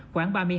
khoảng một tỷ đồng